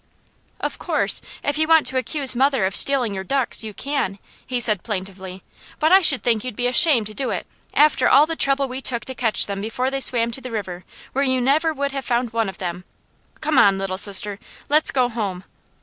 "Of course, if you want to accuse mother of stealing your ducks, you can," he said plaintively, "but I should think you'd be ashamed to do it, after all the trouble we took to catch them before they swam to the river, where you never would have found one of them. Come on, Little Sister, let's go home."